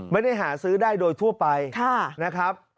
ไม่ได้หาซื้อได้โดยทั่วไปนะครับ